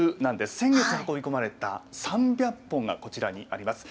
先月運び込まれた３００本がこちらにあります。